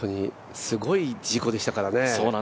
すごい事故でしたからね。